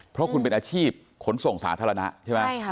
เพราะคุณเป็นอาชีพขนส่งสาธารณะใช่ไหม